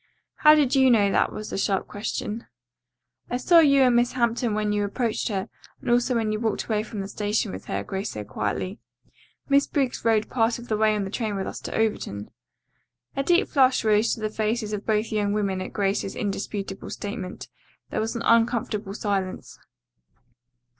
"How did you know that?" was the sharp question. "I saw you and Miss Hampton when you approached her, and also when you walked away from the station with her," Grace said quietly. "Miss Briggs rode part of the way on the train with us to Overton." A deep flush rose to the faces of both young women at Grace's indisputable statement. There was an uncomfortable silence.